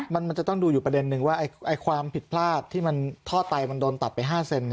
มันจะต้องดูอยู่ประเด็นนึงว่าความผิดพลาดที่ท่อไตมันโดนตัดไป๕เซน